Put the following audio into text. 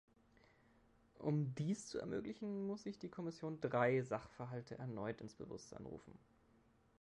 Um dies zu ermöglichen, muss sich die Kommission drei Sachverhalte erneut ins Bewusstsein rufen.